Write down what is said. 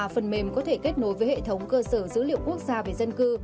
phần mềm có thể kết nối với hệ thống cơ sở dữ liệu quốc gia về dân cư